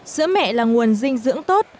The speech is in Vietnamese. sữa mẹ là nguồn dinh dưỡng tốt